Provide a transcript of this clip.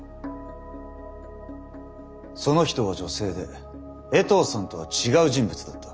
その人は女性で衛藤さんとは違う人物だった。